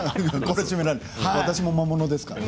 私も魔物ですから。